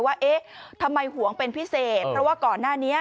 ว่าเอ๊ะทำไมห่วงเป็นพิเศษเพราะว่าก่อนหน้านี้